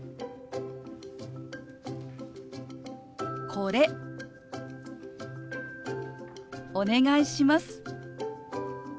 「これお願いします」。